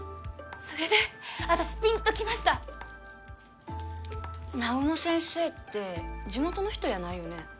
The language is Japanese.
それで私ピンときました南雲先生って地元の人やないよね